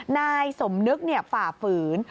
นายสมนึกฝ่าฝืน